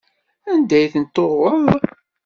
Anda ay tent-tuɣeḍ?